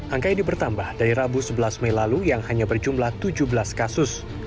angka ini bertambah dari rabu sebelas mei lalu yang hanya berjumlah tujuh belas kasus